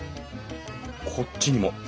こっちにも。